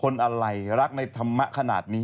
อะไรรักในธรรมะขนาดนี้